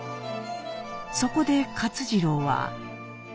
そこで勝次郎は？